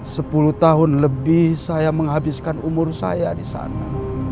sepuluh tahun lebih saya menghabiskan umur saya disana